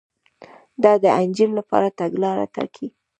دا د انجینر لپاره تګلاره ټاکي.